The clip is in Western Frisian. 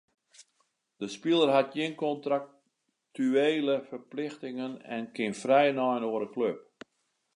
De spiler hat gjin kontraktuele ferplichtingen en kin frij nei in oare klup.